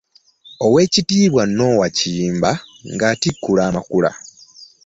Oweekitiibwa Noah Kiyimba ng’atikkula Amakula.